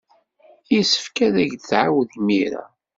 Yessefk ad ak-d-tɛawed imir-a.